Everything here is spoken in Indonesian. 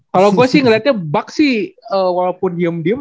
kalo gue sih ngeliatnya bucks sih walaupun diem diem